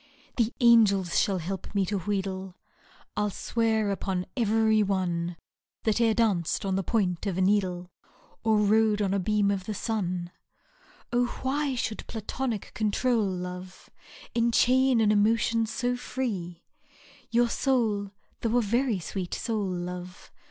The angels shall help me to wheedle j I *11 swear upon i^yery one That e'er danc'd on the point of a needle *, Or rode on a beam of the sun I Oh ! why should Platonic control, love, " Enchain an emotion so free ? Your soul, though a very sweet soul, love.